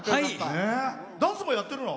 ダンスもやってるの？